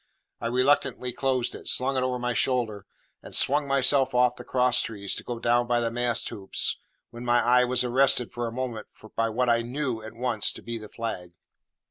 I reluctantly closed it, slung it over my shoulder, and swung myself off the cross trees to go down by the mast hoops, when my eye was arrested for a moment by what I knew at once to be the flag.